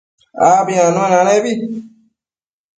Abi anuenanebi